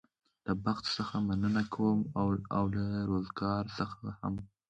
له بخت څخه مننه کوم او له روزګار څخه هم.